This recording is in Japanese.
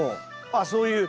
ああそういう。